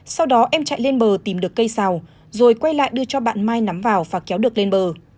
sau đó em chạy lên bờ tìm được cây xào rồi quay lại đưa cho bạn mai nắm vào và kéo được lên bờ